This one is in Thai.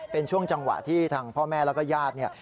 เป็นช่วงจังหวะที่ทางพ่อแม่แล้วก็ญาติเนี่ย